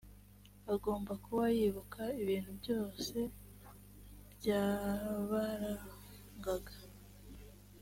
agomba kuba yibuka ibintu byose byabarangaga